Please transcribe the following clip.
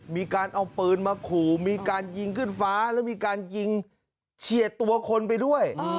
มีการเอาปืนมาขู่มีการยิงขึ้นฟ้าแล้วมีการยิงเฉียดตัวคนไปด้วย